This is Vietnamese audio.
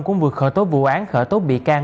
cũng vừa khởi tố vụ án khởi tố bị can